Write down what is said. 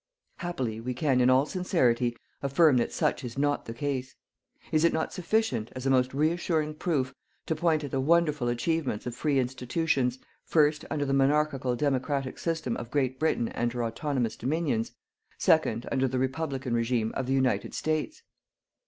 Happily, we can, in all sincerity, affirm that such is not the case. Is it not sufficient, as a most reassuring proof, to point at the wonderful achievements of free institutions, first, under the monarchical democratic system of Great Britain and her autonomous Dominions; second, under the republican regime of the United States.